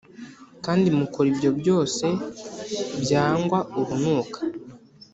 kandi mukora ibyo byose mbyangwa urunuka